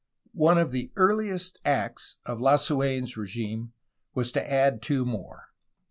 One of the earhest acts of Lasuen's regime was to add two more.